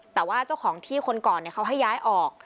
แต่ว่าเจ้าของที่คนก่อนเขาให้ย้ายออก